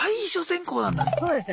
そうですね。